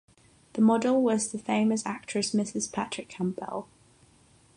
The model was the famous actress Mrs Patrick Campbell.